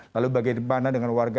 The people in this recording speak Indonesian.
lalu bagaimana dengan warga